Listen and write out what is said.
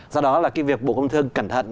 do đó là việc bộ công thương cẩn thận